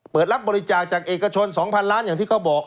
รับบริจาคจากเอกชน๒๐๐ล้านอย่างที่เขาบอก